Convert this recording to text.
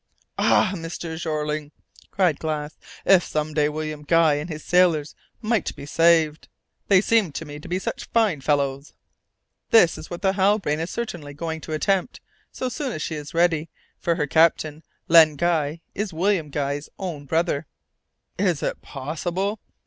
"Ah, Mr. Jeorling," cried Glass, "if some day William Guy and his sailors might be saved! They seemed to me to be such fine fellows." "That is just what the Halbrane is certainly going to attempt, so soon as she is ready, for her captain, Len Guy, is William Guy's own brother." "Is it possible?